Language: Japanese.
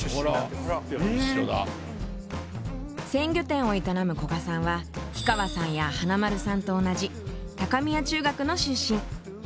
鮮魚店を営む古賀さんは氷川さんや華丸さんと同じ高宮中学の出身。